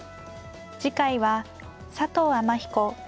次回は佐藤天彦